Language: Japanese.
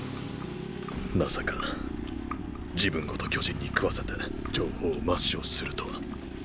まさか自分ごと巨人に食わせて情報を抹消するとは。